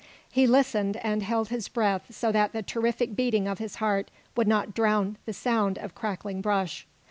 He listened, and held his breath so that the terrific beating of his heart would not drown the sound of crackling brush.